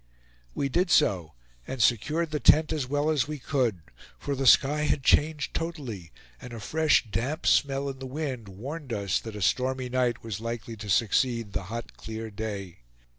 We did so, and secured the tent as well as we could; for the sky had changed totally, and a fresh damp smell in the wind warned us that a stormy night was likely to succeed the hot clear day.